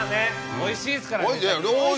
おいしいですからね。